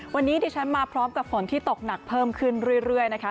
วันนี้ดิฉันมาพร้อมกับฝนที่ตกหนักเพิ่มขึ้นเรื่อยนะคะ